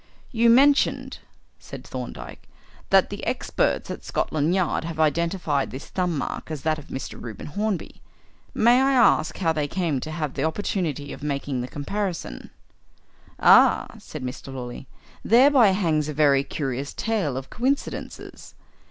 "You mentioned," said Thorndyke, "that the experts at Scotland Yard have identified this thumb mark as that of Mr. Reuben Hornby. May I ask how they came to have the opportunity of making the comparison?" "Ah!" said Mr. Lawley. "Thereby hangs a very curious tale of coincidences.